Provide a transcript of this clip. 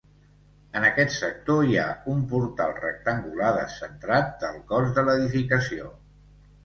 En aquest sector hi ha un portal rectangular descentrat del cos de l'edificació.